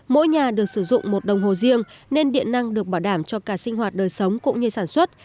mỗi nhà được sử dụng một đồng hồ riêng nên điện năng được bảo đảm cho cả sinh hoạt đời sống cũng như sản xuất